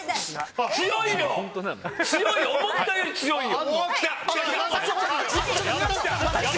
思ったより強いよ。